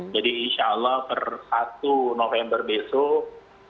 jadi insya allah per satu november besok